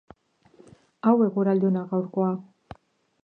Hau eguraldi ona gaurkoa!!!